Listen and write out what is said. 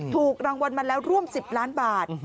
ถูกรางวัลมาแล้วร่วม๑๐ล้านบาท